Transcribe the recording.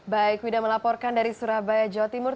baik wida melaporkan dari surabaya jawa timur